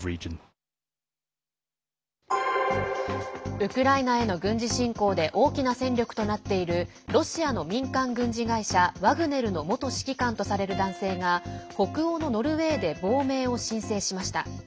ウクライナへの軍事侵攻で大きな戦力となっているロシアの民間軍事会社ワグネルの元指揮官とされる男性が北欧のノルウェーで亡命を申請しました。